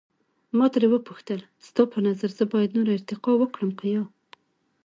ما ترې وپوښتل، ستا په نظر زه باید نوره ارتقا وکړم که یا؟